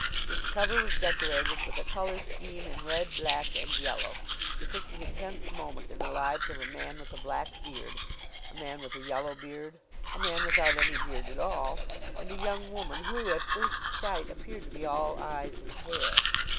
Its cover was decorated with a color scheme in red, black and yellow, depicting a tense moment in the lives of a man with a black beard, a man with a yellow beard, a man without any beard at all, and a young woman who, at first sight, appeared to be all eyes and hair.